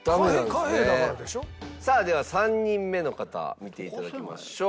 さあでは３人目の方見ていただきましょう。